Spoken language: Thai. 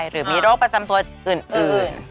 หรือมีโรคประจำตัวอื่น